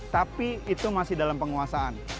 tapi itu masih dalam penguasaan